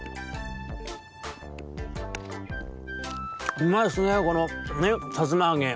「うまいっすねこのねっさつまあげ。